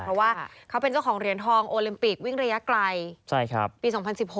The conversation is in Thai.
เพราะว่าเขาเป็นเจ้าของเหรียญทองโอลิมปิกวิ่งระยะไกลปี๒๐๑๖